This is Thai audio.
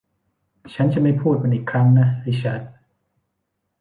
ฉันจะไม่พูดมันอีกครั้งนะริชาร์ด